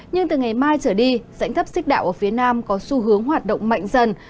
nhưng từ ngày mai trở đi dãnh thấp xích đạo ở phía nam có xu hướng hoạt động mạnh dần